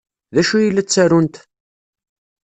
D acu ay la ttarunt?